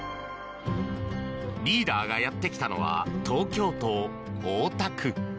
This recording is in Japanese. リーダーがやってきたのは東京都大田区。